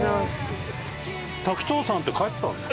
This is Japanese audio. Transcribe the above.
滝藤さんって帰ったんですか？